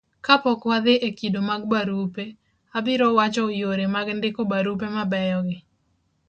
kapok wadhi e kido mag barupe, abiro wacho yore mag ndiko barupe mabeyo gi